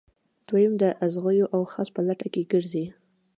دویم د اغزیو او خس په لټه کې ګرځي.